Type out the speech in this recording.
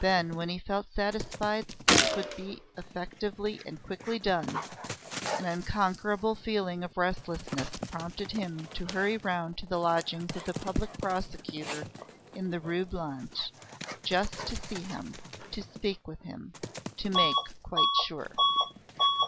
Then, when he felt satisfied that this would be effectively and quickly done, an unconquerable feeling of restlessness prompted him to hurry round to the lodgings of the Public Prosecutor in the Rue Blanche just to see him, to speak with him, to make quite sure.